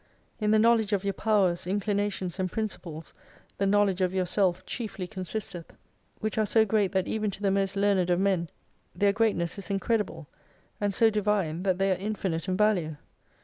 In the knowledge of your Powers, Inclinations, and Principles, the knowledge of yourself chiefly consisteth. Which are so great that even to the most learned of men, their Greatness is Incredible ; and so Divine, that they are infinite in value.